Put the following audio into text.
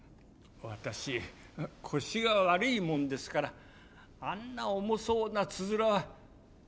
私腰が悪いもんですからあんな重そうなつづらは持てません。